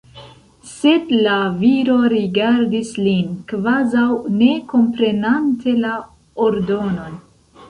Sed la viro rigardis lin, kvazaŭ ne komprenante la ordonon.